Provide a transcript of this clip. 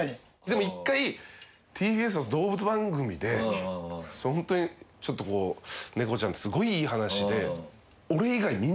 でも１回ＴＢＳの動物番組でホントにちょっとこう猫ちゃんのすごいいい話で。